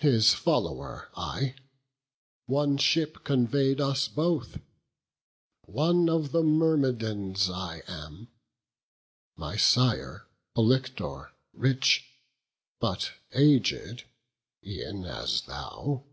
His follower I; one ship convey'd us both; One of the Myrmidons I am; my sire Polyctor, rich, but aged, e'en as thou.